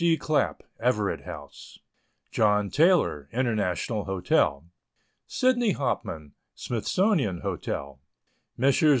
D. Clapp, Everett House, John Taylor, International Hotel, Sydney Hopman, Smithsonian Hotel, Messrs.